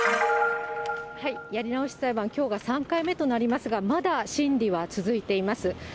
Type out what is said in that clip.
やり直し裁判、きょうが３回目となりますが、まだ審理は続いています。